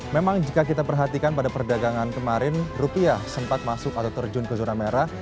memang jika kita perhatikan pada perdagangan kemarin rupiah sempat masuk atau terjun ke zona merah